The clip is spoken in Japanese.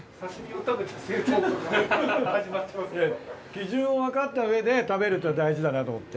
基準を分かった上で食べるっての大事だなと思って。